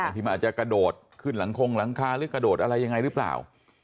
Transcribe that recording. ที่มันอาจจะกระโดดขึ้นหลังคงหลังคาหรือกระโดดอะไรยังไงหรือเปล่า